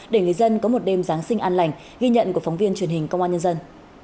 để người dân có một đêm giáng sinh an lành ghi nhận của phóng viên truyền hình công an nhân dân